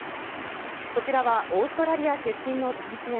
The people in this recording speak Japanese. こちらはオーストラリア出身の男性。